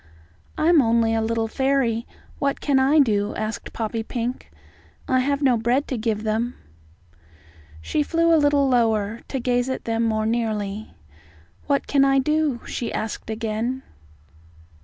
"I am only a little fairy. What can I do?" asked Poppypink. "I have no bread to give them." She flew a little lower, to gaze at them more nearly. "What can I do?" she asked again.